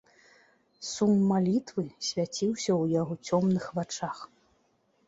Сум малітвы свяціўся ў яго цёмных вачах.